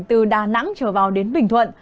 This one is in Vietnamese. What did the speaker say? từ đà nẵng trở vào đến bình thuận